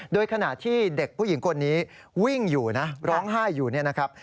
โดยขณะที่เด็กผู้หญิงคนนี้วิ่งอยู่นะร้องไห้อยู่เนี่ยนะครับ